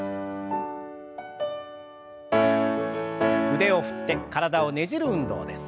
腕を振って体をねじる運動です。